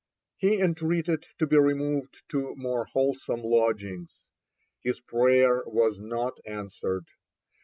He entreated to be removed to more wholesome lodgings. His prayer was not answered.